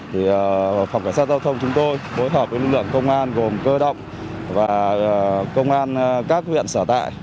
thì phòng cảnh sát giao thông chúng tôi phối hợp với lực lượng công an gồm cơ động và công an các huyện sở tại